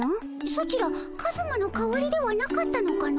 ソチらカズマの代わりではなかったのかの。